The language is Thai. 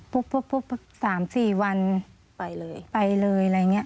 ปุ๊บปุ๊บปุ๊บ๓๔วันไปเลย